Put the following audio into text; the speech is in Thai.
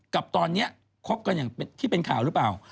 กับตอนนี้คบกันอย่างที่เป็นข่าวหรือเปล่า